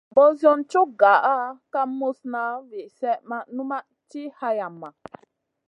Nan Zi ɓosion cug gah kam muzna vi slèh ma numʼma ti hayama.